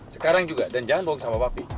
sekarang juga dan jangan bohong sama papi